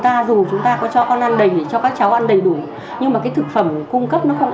ta dù chúng ta có cho con ăn đầy cho các cháu ăn đầy đủ nhưng mà cái thực phẩm cung cấp nó không